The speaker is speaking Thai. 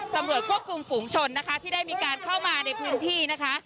ตำรวจควบคุมฝูงชนนะคะที่ได้มีการเข้ามาในพื้นที่นะคะ